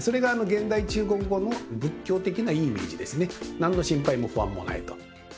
何の心配も不安もないと。